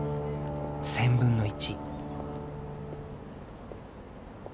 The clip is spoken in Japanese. １０００分の１。